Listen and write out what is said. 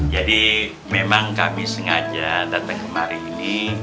jadi memang kami sengaja datang kemari ini